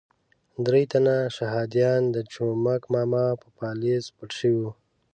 درې تنه شهادیان د جومک ماما په پالیز پټ شوي وو.